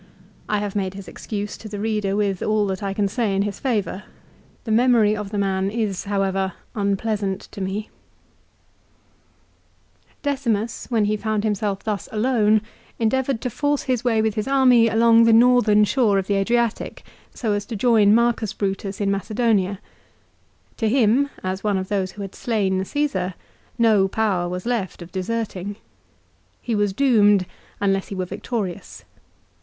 I have made his excuse to the reader with all that I can say in his favour. The memory of the man is, however, unpleasant to me. 284 LIFE OF CICERO. Decimus, when lie found himself thus alone, endeavoured to force his way with his army along the northern shore of the Adriatic, so as to join Marcus Brutus in Macedonia. To him, as one of those who had slain Cassar, no power was left of deserting. He was doomed unless he were victorious.